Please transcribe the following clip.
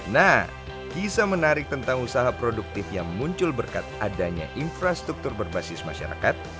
nah kisah menarik tentang usaha produktif yang muncul berkat adanya infrastruktur berbasis masyarakat